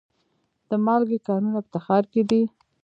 د مالګې کانونه په تخار کې دي